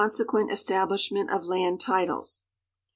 se<iueiit establishment of land titles.